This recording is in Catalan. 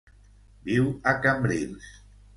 Viu a Cambrils.